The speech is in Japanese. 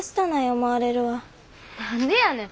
何でやねん！